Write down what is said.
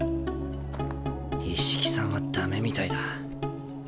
一色さんは駄目みたいだ。